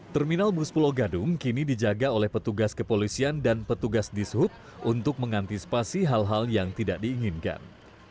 terminal bus pulau gadung kini dijaga oleh petugas kepolisian dan petugas dishub untuk mengantisipasi hal hal yang tidak diinginkan